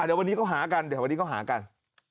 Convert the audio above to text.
เดี๋ยววันนี้เขาหากันเดี๋ยววันนี้เขาหากัน